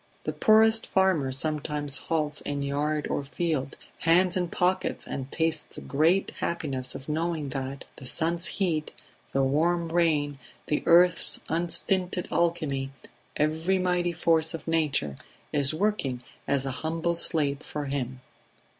The poorest farmer sometimes halts in yard or field, hands in pockets, and tastes the great happiness of knowing that the sun's heat, the warm rain, the earth's unstinted alchemy every mighty force of nature is working as a humble slave for him